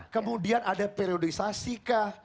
kemudian ada periodisasi kah